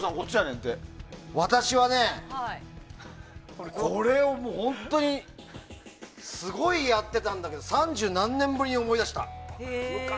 私はね、これを本当にすごいやってたんだけど三十何年ぶりに思い出した。